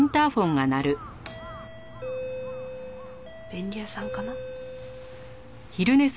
便利屋さんかな？